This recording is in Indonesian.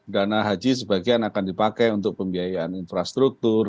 dana haji sebagian akan dipakai untuk pembiayaan infrastruktur